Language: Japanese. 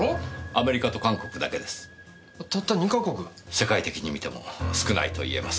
世界的にみても少ないといえます。